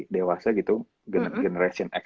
dewasa gitu generation x